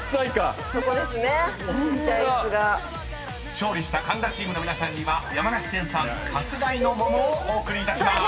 ［勝利した神田チームの皆さんには山梨県産春日居の桃をお贈りいたしまーす］